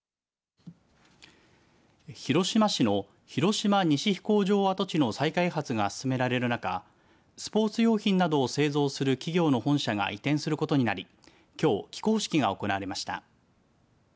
広島市の広島西飛行場跡地の再開発が進められる中スポーツ用品などを製造する企業の本社が移転することになりきょう起工式が行われました。